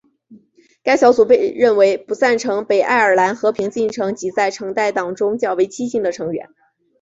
该小组被认为不赞成北爱尔兰和平进程及在橙带党中较为激进的成员。